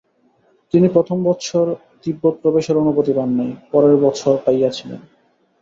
তিনি প্রথম বৎসর তিব্বত প্রবেশের অনুমতি পান নাই, পরের বৎসর পাইয়াছিলেন।